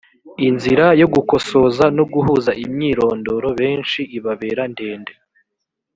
inzira yo gukosoza no guhuza imyirondoro benshi ibabera ndende